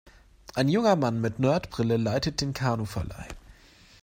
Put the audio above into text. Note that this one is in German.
Ein junger Mann mit Nerd-Brille leitet den Kanuverleih.